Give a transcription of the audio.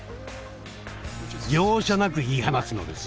容赦なく言い放つのです。